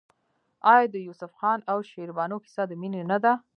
آیا د یوسف خان او شیربانو کیسه د مینې نه ده؟